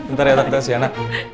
ntar ya tante siana